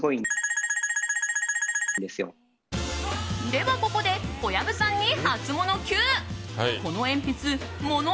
では、ここで小籔さんにハツモノＱ！